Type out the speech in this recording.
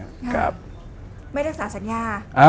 ไม่รักษาสัญญา